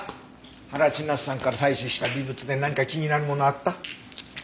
原千夏さんから採取した微物で何か気になるものあった？